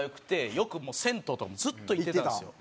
よく銭湯とかもずっと行ってたんですよ。